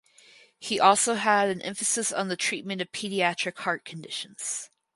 He also had an emphasis on the treatment of pediatric heart conditions.